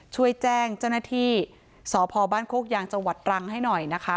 ช่วยแจ้งเจ้าหน้าที่สพบ้านโคกยางจังหวัดตรังให้หน่อยนะคะ